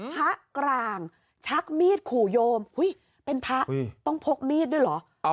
พระกลางชักมีดขู่โยมเป็นพระต้องพกมีดด้วยเหรอ